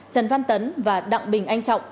trần văn tấn và đặng bình anh trọng